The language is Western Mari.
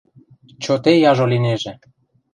Чоте яжо линежӹ.